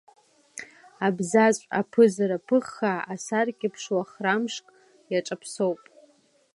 Абзаҵә, аԥызара ԥыххаа, асаркьеиԥш уа храмшк иаҿаԥсоуп.